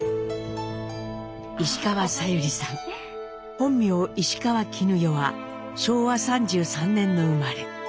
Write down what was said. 本名石川絹代は昭和３３年の生まれ。